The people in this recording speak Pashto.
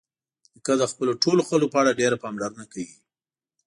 نیکه د خپلو ټولو خلکو په اړه ډېره پاملرنه کوي.